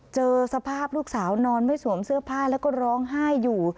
เจอสภาพลูกสาวนอนไม่สวมเสื้อผ้าแล้วก็ร้องไห้อยู่